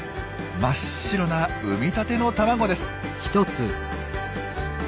真っ白な産みたての卵です。